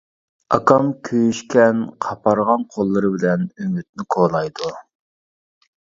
ئاكام كۆيۈشكەن، قاپارغان قوللىرى بىلەن ئۈمىدنى كولايدۇ.